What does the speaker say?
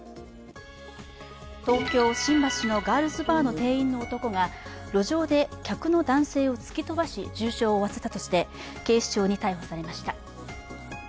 東京・新橋のガールズバーの店員の男が路上で客の男性を突き飛ばし、重症を負わせたとして警視庁に逮捕されました。